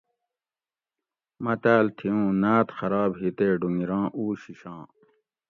متاۤل تھی اُوں نات خراب ھی تے ڈونگیراں اُو شیشاں